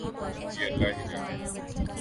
یہ اللہ ہی جانے۔